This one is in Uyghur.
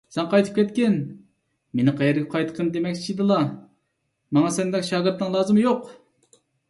_ سەن قايتىپ كەتكىن! − مېنى قەيەرگە قايتقىن دېمەكچىدىلا؟ − ماڭا سەندەك شاگىرتنىڭ لازىمى يوق!